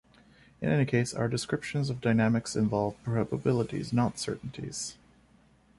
In any case, our descriptions of dynamics involve probabilities, not certainties.